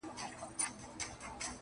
زړه طالب کړه د الفت په مدرسه کي،